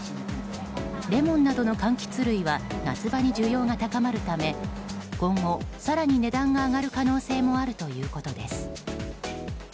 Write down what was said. レモンなどの柑橘類は夏場に需要が高まるため今後更に値段が上がる可能性もあるということです。